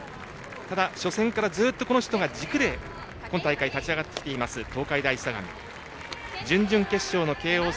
ただ初戦からずっとこの人が軸で今大会、勝ち上がってきている東海大相模。